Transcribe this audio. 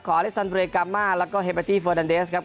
ขออลิสันเตอร์เรกามาแล้วก็เฮปาตี้เฟอร์ดันเดสครับ